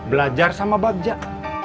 belajar sama babjak